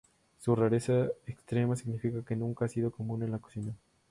Su rareza extrema significa que nunca ha sido común en la cocina.